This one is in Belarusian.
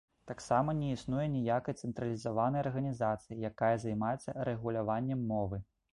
Таксама не існуе ніякай цэнтралізаванай арганізацыі, якая займаецца рэгуляваннем мовы.